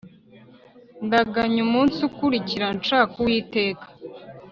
ndaganya umunsi ukira nshaka uwiteka